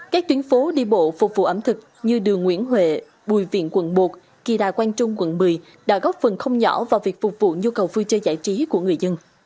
các tuyến phố đi bộ phục vụ ẩm thực như đường nguyễn huệ bùi viện quận một kỳ đà quang trung quận một mươi đã góp phần không nhỏ vào việc phục vụ nhu cầu vui chơi giải trí của người dân